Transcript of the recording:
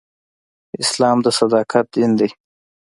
اسلام د صداقت دین دی.